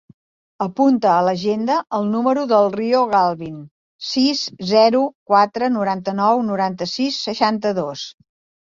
Apunta a l'agenda el número del Rio Galvin: sis, zero, quatre, noranta-nou, noranta-sis, seixanta-dos.